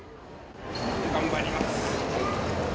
頑張ります。